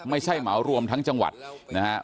ไม่ใช่เหมารวมทั้งจังหวัดนะฮะ